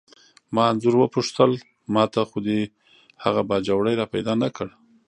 ما انځور وپوښتل: ما ته خو دې هغه باجوړی را پیدا نه کړ؟